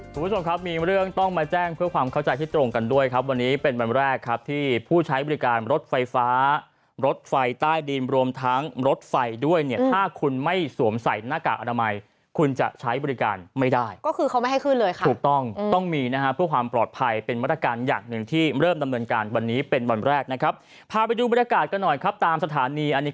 สวัสดีครับมีเรื่องต้องมาแจ้งเพื่อความเข้าใจที่ตรงกันด้วยครับวันนี้เป็นวันแรกครับที่ผู้ใช้บริการรถไฟฟ้ารถไฟใต้ดินรวมทั้งรถไฟด้วยเนี่ยถ้าคุณไม่สวมใส่หน้ากากอนามัยคุณจะใช้บริการไม่ได้ก็คือเขาไม่ให้คืนเลยค่ะถูกต้องต้องมีนะฮะเพื่อความปลอดภัยเป็นบริการอย่างหนึ่งที่เริ่มดำเนิน